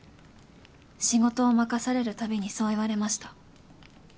仕事を任されるたびにそう言われました。